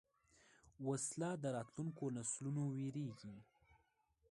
وسله د راتلونکو نسلونو وېرېږي